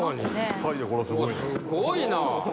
すごいな。